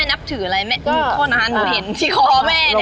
แม่นับถืออะไรอย่างนี้ค่อนข้างหนูเห็นที่ขอแม่นี่